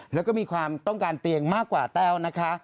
แล้วก็มีความต้องการเตียงมากกว่าแต้วนะคะ